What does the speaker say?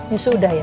ya sudah ya